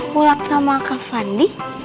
pulak sama kak fandi